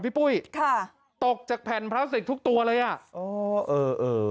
ปุ้ยค่ะตกจากแผ่นพลาสติกทุกตัวเลยอ่ะอ๋อเออเออ